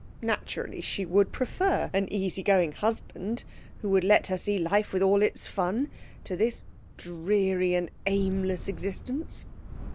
Naturally she would prefer an easy going husband, who would let her see life with all its fun, to this dreary and aimless existence.